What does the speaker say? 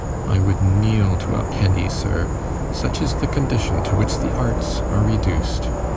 I would kneel to a penny, sir! Such is the condition to which the arts are reduced.